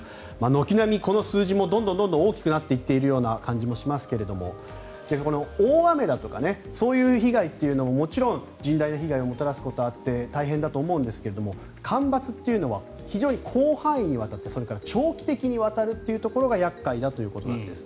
軒並みこの数字もどんどん大きくなってきているような感じもしますが大雨だとかそういう被害というのももちろん甚大な被害をもたらすことがあって大変だと思うんですけれども干ばつというのは非常に広範囲にわたってそれから長期的にわたるというところが厄介だということです。